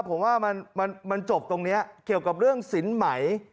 ผมว่ามันจบตรงนี้เกี่ยวกับเรื่องสินไหม